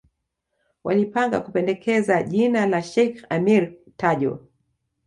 Walipanga kupendekeza jina la Sheikh Ameir Tajo